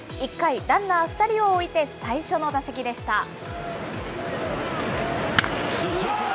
１回、ランナー２人を置いて最初の打席でした。